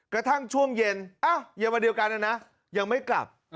กระทั่งช่วงเย็นอ้าวยังมาเดียวกันนะยังไม่กลับอ๋อ